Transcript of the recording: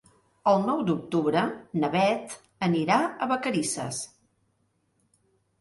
El nou d'octubre na Beth anirà a Vacarisses.